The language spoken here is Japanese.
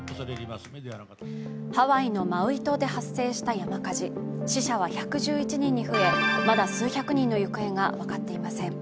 ハワイのマウイ島で発生した山火事、死者は１１１人に増え、まだ数百人の行方が分かっていません。